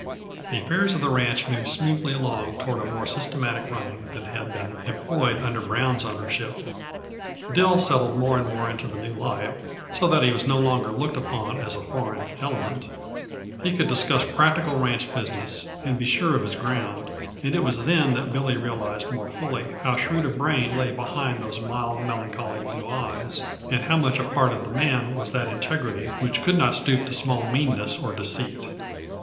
The affairs of the ranch moved smoothly along toward a more systematic running than had been employed under Brown's ownership. Dill settled more and more into the new life, so that he was so longer looked upon as a foreign element; he could discuss practical ranch business and be sure of his ground and it was then that Billy realized more fully how shrewd a brain lay behind those mild, melancholy blue eyes, and how much a part of the man was that integrity which could not stoop to small meanness or deceit.